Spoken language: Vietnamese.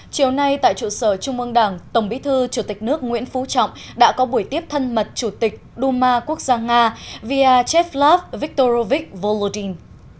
chiều nay tại trụ sở trung ương đảng tổng bí thư chủ tịch nước nguyễn phú trọng đã có buổi tiếp thân mật chủ tịch đu ma quốc gia nga vyacheslav viktorovich volodin